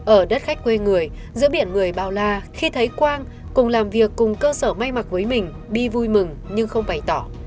ở đất khách quê người giữa biển người bao la khi thấy quang cùng làm việc cùng cơ sở may mặc với mình đi vui mừng nhưng không bày tỏ